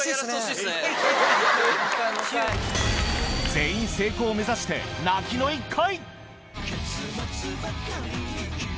全員成功を目指して泣きの一回